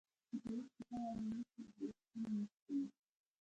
د سړک په غاړه نښې د دې شتون ښیي